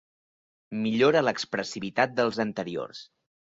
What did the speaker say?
Millora l'expressivitat dels anteriors.